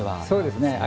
そうですね